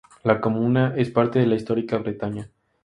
La comuna es parte de la histórica Bretaña.